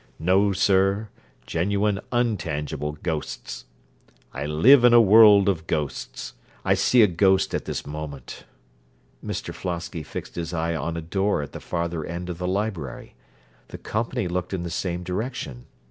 No, sir, genuine untangible ghosts. I live in a world of ghosts. I see a ghost at this moment. Mr Flosky fixed his eyes on a door at the farther end of the library. The company looked in the same direction.